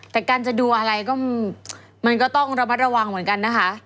แต่การจะดูอะไรก็มันก็ต้องระมัดระวังเหมือนกันนะคะ